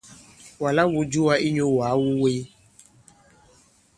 Wàlā wū jùwa inyū wàa wu wèy.